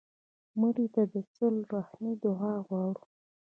مړه ته د صله رحمي دعا غواړو